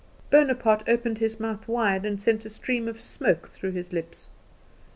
Bonaparte opened his mouth wide, and sent a stream of smoke through his lips.